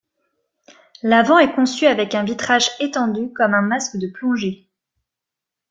L'avant est conçu avec un vitrage étendu comme un masque de plongée.